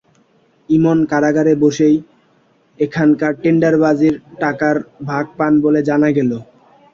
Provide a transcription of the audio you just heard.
ইমন কারাগারে বসেই এখানকার টেন্ডারবাজির টাকার ভাগ পান বলে জানা গেছে।